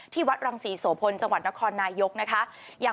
วัดรังศรีโสพลจังหวัดนครนายกนะคะ